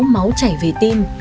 máu chảy về tim